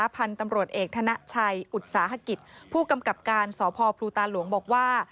พันธุ์ตำรวจเอกธนชัยอุตสาหกิจผู้กำกับการสพพลูตาหลวงบอกว่า